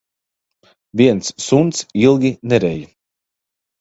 Viens suns ilgi nerej.